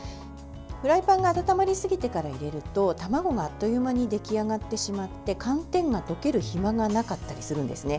フライパンが温まりすぎてから入れると卵があっという間に出来上がってしまって寒天が溶ける暇がなかったりするんですね。